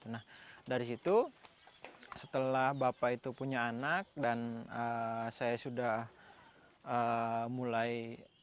nah dari situ setelah bapak itu punya anak dan saya sudah mulai